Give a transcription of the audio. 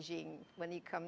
dan jauh lebih blame